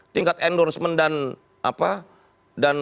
tingkat endorsement dan